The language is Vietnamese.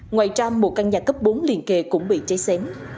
ngoài ra một căn nhà cấp bốn liền kề cũng bị cháy xén